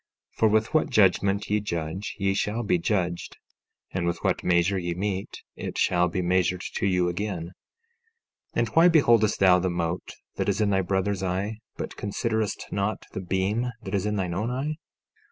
14:2 For with what judgment ye judge, ye shall be judged; and with what measure ye mete, it shall be measured to you again. 14:3 And why beholdest thou the mote that is in thy brother's eye, but considerest not the beam that is in thine own eye?